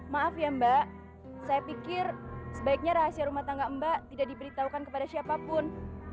maaf ya mbak saya pikir sebaiknya rahasia rumah tangga mbak tidak diberitahukan kepada siapapun